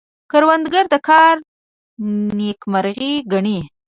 کروندګر د کار نیکمرغي ګڼي